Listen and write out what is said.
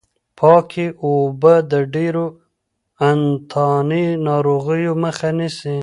پاکې اوبه د ډېرو انتاني ناروغیو مخه نیسي.